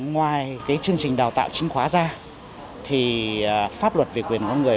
ngoài chương trình đào tạo chính khóa ra thì pháp luật về quyền con người